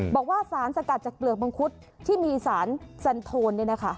บอกว่าสารสกัดจากเปลือกมังคุดที่มีสารสันโทน